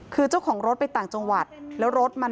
คือเจ้าของรถไปต่างจังหวัด